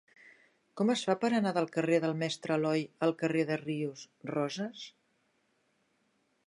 Com es fa per anar del carrer del Mestre Aloi al carrer de Ríos Rosas?